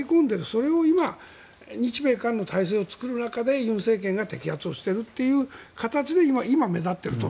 それを今日米韓の体制を作る中で尹政権が摘発をしてるという形で今、目立っていると。